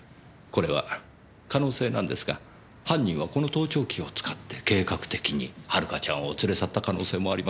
これは可能性なんですが犯人はこの盗聴器を使って計画的に遥ちゃんを連れ去った可能性もあります。